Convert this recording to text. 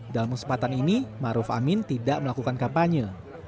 dalam kesempatan ini maruf amin tidak melakukan kampanye